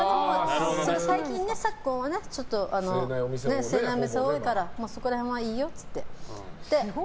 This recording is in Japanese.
最近、昨今はね吸えないお店多いからそこら辺はいいよって言って。